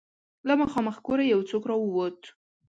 له مخامخ کوره يو څوک را ووت.